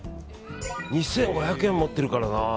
２５００円持ってるからな。